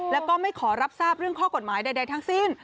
แล้วก็ไม่ขอรับทราบเรื่องข้อกฎหมายใดทั้งสิ้น